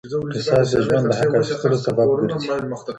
قصاص د ژوند د حق اخيستلو سبب ګرځي.